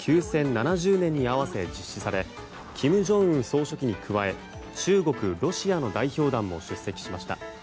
７０年に併せ実施され金正恩総書記に加え中国、ロシアの代表団も出席しました。